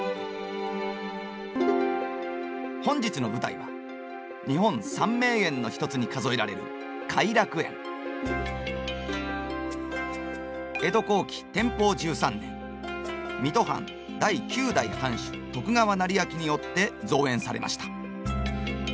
本日の舞台は日本三名園の一つに数えられる江戸後期天保１３年水戸藩第九代藩主徳川斉昭によって造園されました。